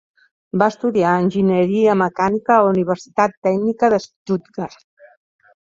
Va estudiar enginyeria mecànica a la Universitat Tècnica de Stuttgart.